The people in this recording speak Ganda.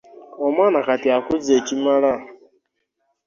Omwana kati akuze ekimala.